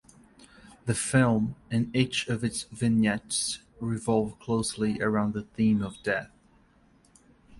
The film and each of its vignettes revolve closely around the theme of death.